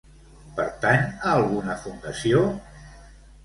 Pertany a alguna fundació?